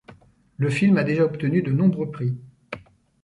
Le film a déjà obtenu de nombreux prix.